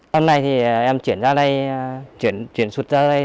hôm nay thì em chuyển ra đây chuyển sụt ra đây